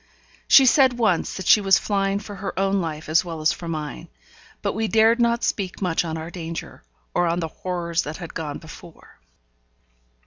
She said once that she was flying for her own life as well as for mine; but we dared not speak much on our danger, or on the horrors that had gone before.